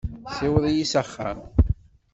Ssiweḍ-iyi s axxam.